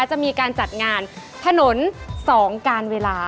จะมีการจัดงานถนน๒การเวลา